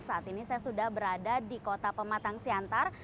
saat ini saya sudah berada di kota pematang siantar